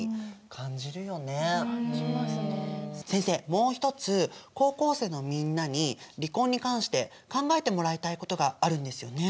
もう一つ高校生のみんなに離婚に関して考えてもらいたいことがあるんですよね？